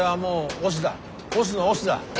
押忍の押忍だ。え？